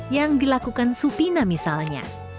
yang dilakukan supina misalnya